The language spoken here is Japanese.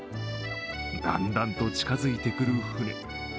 だんだんと近づいてくる船。